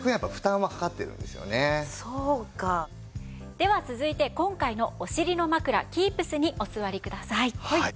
では続いて今回のお尻のまくらＫｅｅｐｓにお座りください。